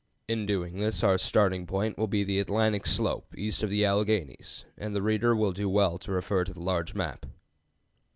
In doing this, our starting point will be the Atlantic slope east of the Alleghanies, and the reader will do well to refer to the large map.